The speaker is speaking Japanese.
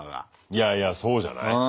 いやいやそうじゃない？